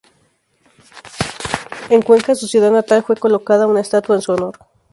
En Cuenca, su ciudad natal, fue colocada una estatua en su honor.